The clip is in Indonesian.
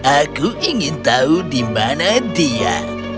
aku ingin tahu di mana dia